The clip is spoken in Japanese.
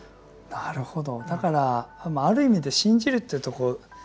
なるほど。